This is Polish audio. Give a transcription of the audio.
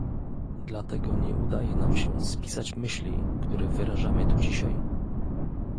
Dlatego nie udaje nam się spisać myśli, które wyrażamy tu dzisiaj